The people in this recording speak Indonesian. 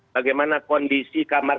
bagaimana kondisi kamar kamarnya